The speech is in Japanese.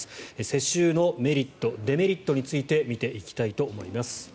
世襲のメリット、デメリットについて見ていきたいと思います。